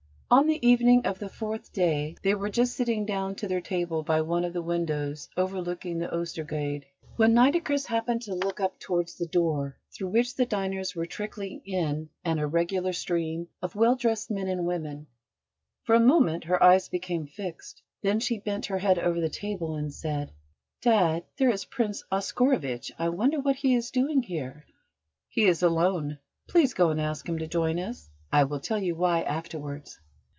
On the evening of the fourth day they were just sitting down to their table by one of the windows overlooking the Oestergade when Nitocris happened to look up towards the door through which the diners were trickling in an irregular stream of well dressed men and women. For a moment her eyes became fixed. Then she bent her head over the table, and said: "Dad, there is Prince Oscarovitch. I wonder what he is doing here? He is alone: please go and ask him to join us. I will tell you why afterwards."